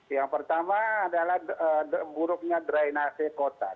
yang pertama adalah buruknya drainasi kotak